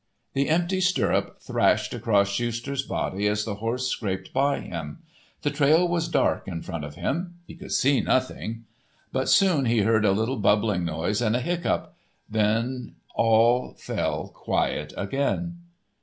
The empty stirrup thrashed across Schuster's body as the horse scraped by him. The trail was dark in front of him. He could see nothing. But soon he heard a little bubbling noise and a hiccough. Then all fell quiet again.